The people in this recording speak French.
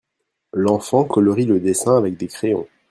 L'enfant colorie le dessin avec des crayons.